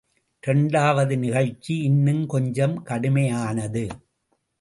இரண்டாவது நிகழ்ச்சி இன்னும் கொஞ்சம் கடுமையானது.